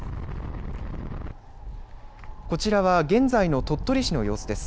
こちらは現在の鳥取市の様子です。